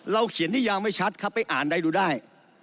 เราเขียนที่ยังไม่ชัดครับไปอ่านได้ดูได้